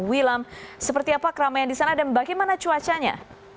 wilam seperti apa keramaian di sana dan bagaimana cuacanya